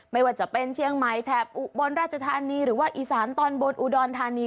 ไม่ว่าจะเป็นเชียงใหม่แถบอุบลราชธานีหรือว่าอีสานตอนบนอุดรธานี